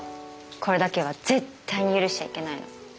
これだけは絶対に許しちゃいけないの。